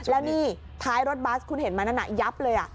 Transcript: แล้วนี่ท้ายรถบัสคุณเห็นมั้ยนะยับเลยอ่ะ